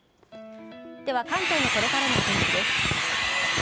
では、関東のこれからのお天気です。